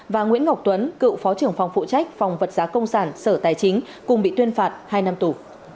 và nguyễn ngọc tuấn cựu phó trưởng phòng phụ trách phòng vật giá công sản sở tài chính cùng bị tuyên phạt hai năm tù